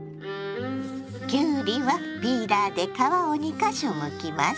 きゅうりはピーラーで皮を２か所むきます。